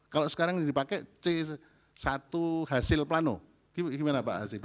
kalau sekarang dipakai c satu hasil plano gimana pak hasib